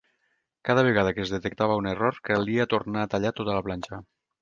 Cada vegada que es detectava un error calia tornar a tallar tota la planxa.